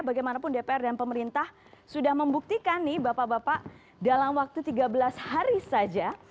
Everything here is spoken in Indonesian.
bagaimanapun dpr dan pemerintah sudah membuktikan nih bapak bapak dalam waktu tiga belas hari saja